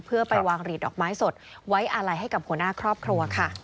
เพื่อไปวางหลีดดอกไม้สดไว้อาลัยให้กับหัวหน้าครอบครัวค่ะ